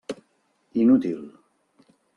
Inútil.